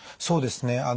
そうですね。